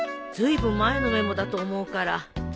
ずいぶん前のメモだと思うから。